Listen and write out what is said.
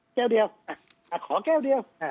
แก้วเดียวขอแก้วเดียว